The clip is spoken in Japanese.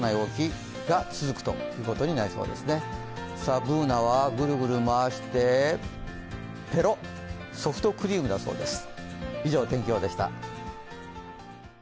Ｂｏｏｎａはぐるぐる回してペロッソフトクリームだそうです。